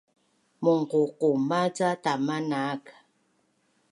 Mungququma ca tama naak